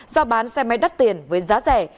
do bán xe máy đắt tiền với giá rẻ